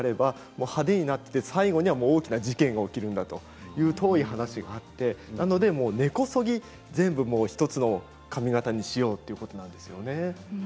最後には大きな事件が起きるんだと、そういう遠い話があってなので根こそぎ１つの髪形にしようということなんですね。